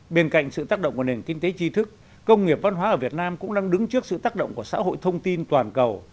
bên cạnh sự tác động của nền kinh tế tri thức công nghiệp văn hóa ở việt nam cũng đang đứng trước sự tác động của xã hội thông tin toàn cầu